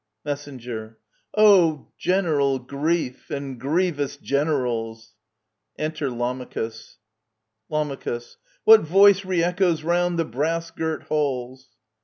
Mess. Oh, general grief, and grievous generals ! Enter Lamachus. Lam. What voice re echoes round the brass girt halls